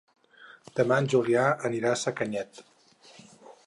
Demà en Julià anirà a Sacanyet.